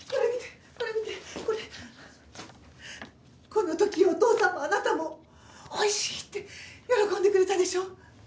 この時お父さんもあなたも美味しいって喜んでくれたでしょ？